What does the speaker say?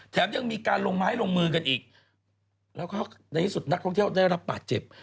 ยังมีการลงไม้ลงมือกันอีกแล้วก็ในที่สุดนักท่องเที่ยวได้รับบาดเจ็บ